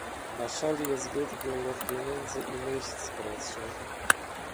Na szali jest zbyt wiele pieniędzy i miejsc pracy